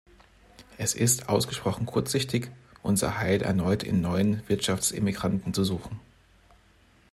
Es ist ausgesprochen kurzsichtig, unser Heil erneut in neuen Wirtschaftsimmigranten zu suchen.